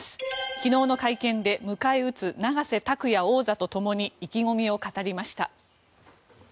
昨日の会見で迎え撃つ永瀬拓矢王座とともに意気込みを語りました。